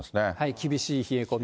厳しい冷え込み。